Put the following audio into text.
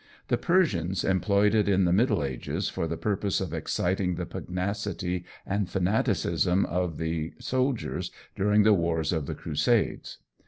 The Persians employed it in the Middle Ages for the purpose of exciting the pugnacity and fanaticism of the soldiers during the wars of the Crusades.